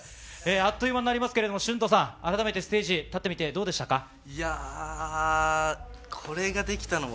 あっという間になりますけれども、ＳＨＵＮＴＯさん、改めてステージ立ってみて、どうでしたか？